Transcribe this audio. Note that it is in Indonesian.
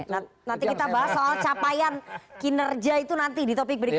nanti kita bahas soal capaian kinerja itu nanti di topik berikutnya